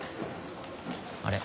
あれ？